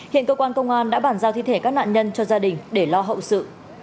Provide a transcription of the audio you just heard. hiện cơ quan công an đã bàn giao thi thể các nạn nhân cho gia đình để lo hậu sự